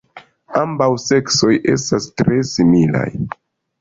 Ambaŭ seksoj estas tre similaj.